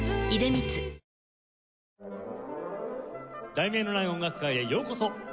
『題名のない音楽会』へようこそ。